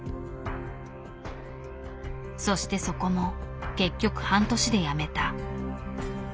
そしてそこも結局半年で辞めた。